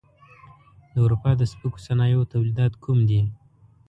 د اروپا د سپکو صنایعو تولیدات کوم دي؟